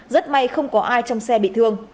rất may không có ai trong xe bị thương